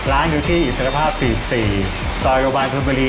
ร้านอยู่ที่อินสภภาพ๔๔ซอยโรบันเพิ่มเบอรี่๑